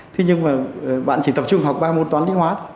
thế nhưng mà bạn chỉ tập trung học ba môn toán linh hoạt